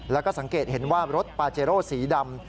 แล้วก็สังเกตเห็นว่ารถปาเจโร่สีดำ